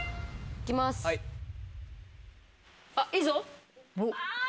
いいぞ！